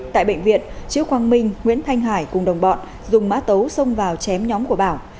tại bệnh viện trước quang minh nguyễn thanh hải cùng đồng bọn dùng mã tấu xông vào chém nhóm của bảo